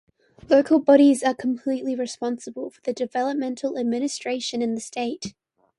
Local bodies are completely responsible for the developmental administration in the state.